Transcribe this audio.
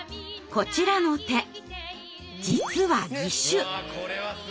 こちらの手実は義手！